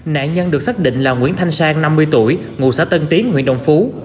nạn nhân được xác định là nguyễn thanh sang năm mươi tuổi ngụ xã tân tiến huyện đồng phú